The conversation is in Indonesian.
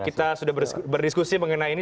kita sudah berdiskusi mengenai ini